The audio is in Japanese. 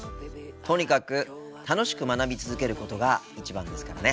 とにかく楽しく学び続けることが一番ですからね。